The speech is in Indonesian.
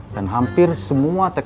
dan hampir semua tkw akan pulang